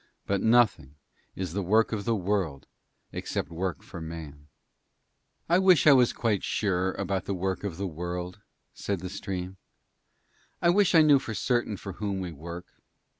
But nothing is the Work of the World except work for Man.' 'I wish I was quite sure about the Work of the World,' said the stream; 'I wish I knew for certain for whom we work.